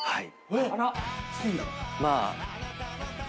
はい。